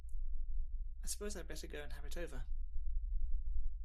I suppose I’d better go and have it over.